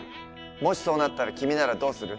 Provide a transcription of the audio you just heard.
もしそうなったら君ならどうする？